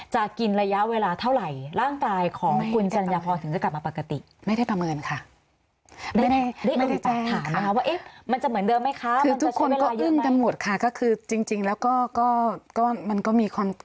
จะกินระยะเวลาเท่าไหร่